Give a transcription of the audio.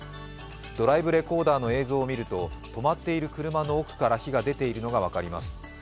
ドライブレコーダーの映像を見ると止まっている車の奥から火が出ているのが分かります。